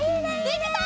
できた！